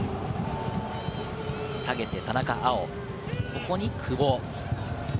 下げて、田中碧、ここに久保。